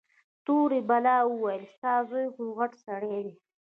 تورې بلا وويل ستا زوى خوغټ سړى دى.